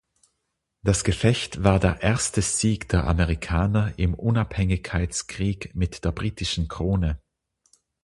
Das Gefecht war der erste Sieg der Amerikaner im Unabhängigkeitskrieg mit der britischen Krone.